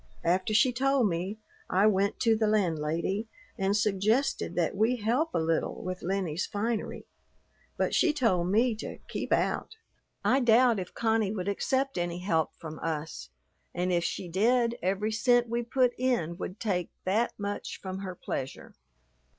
After she told me, I went to the landlady and suggested that we help a little with Lennie's finery; but she told me to "keep out." "I doubt if Connie would accept any help from us, and if she did, every cent we put in would take that much from her pleasure.